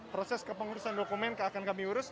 proses kepengurusan dokumen akan kami urus